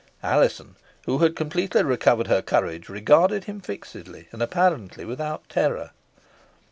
Alizon, who had completely recovered her courage, regarded him fixedly, and apparently without terror.